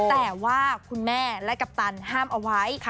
แต่ว่าคุณแม่และกัปตันห้ามเอาไว้